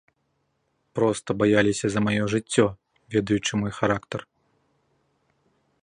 Проста баяліся за маё жыццё, ведаючы мой характар.